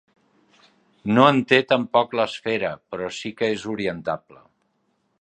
No en té tampoc l'esfera, però sí que és orientable.